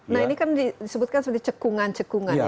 nah ini kan disebutkan sebagai cekungan cekungan ya